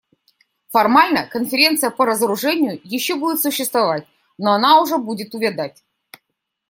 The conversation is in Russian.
Формально Конференция по разоружению еще будет существовать, но она уже будет увядать.